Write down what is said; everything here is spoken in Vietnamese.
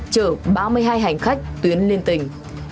chở ba mươi hai hành khách tuyến lên tỉnh